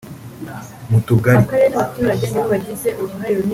mu Tugali